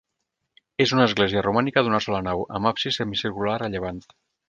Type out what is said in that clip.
És una església romànica d'una sola nau, amb absis semicircular a llevant.